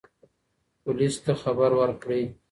پولیس ته خبر ورکړئ.